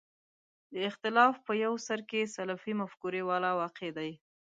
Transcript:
د اختلاف په یو سر کې سلفي مفکورې والا واقع دي.